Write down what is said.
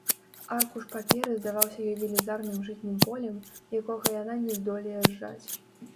Аркуш паперы здаваўся ёй велізарным жытнім полем, якога яна не здолее зжаць.